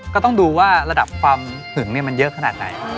ก็ต้องดูว่าระดับความหึงมันเยอะขนาดไหน